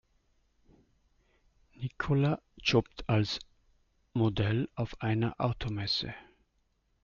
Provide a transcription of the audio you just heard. Nicola jobbt als Model auf einer Automesse.